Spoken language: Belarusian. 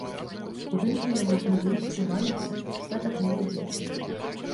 Будынкі яго гніюць і валяцца, статак не вядзецца.